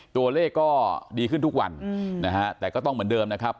ตัวเลขก็ดีขึ้นทุกวันนะฮะแต่ก็ต้องเหมือนเดิมนะครับ